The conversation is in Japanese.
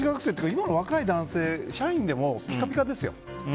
今の若い男性、社員でもピカピカですよ。